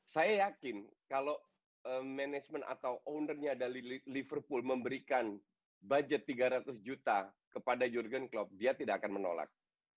saya yakin kalau manajemen atau ownernya dari liverpool memberikan budget tiga ratus juta kepada jurgen klopp dia tidak akan menolak